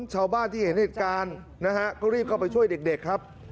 ชาวบ้านที่เห็นเหตุการณ์นะฮะก็รีบเข้าไปช่วยเด็กครับ